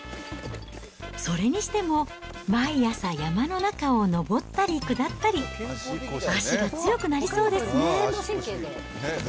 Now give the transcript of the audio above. それにしても、毎朝山の中を登ったり下ったり、足が強くなりそうですね。